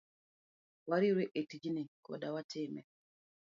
Wariwre etijni kodi watime.